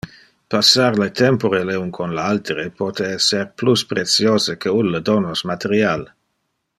Passar tempore uno con le alteres pote ser plus preciose que ulle donos material.